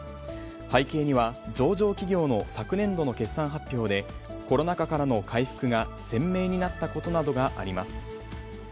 背景には、上場企業の昨年度の決算発表で、コロナ禍からの回復が鮮明になったことなどがあります。